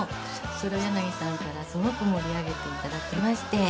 黒柳さんからすごく盛り上げて頂きまして。